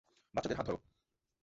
বাচ্চাদের হাত ধরো।